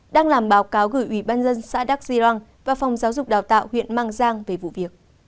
đang làm báo cáo gửi ủy ban dân xã đắc di răng và phòng giáo dục đào tạo huyện mang giang về vụ việc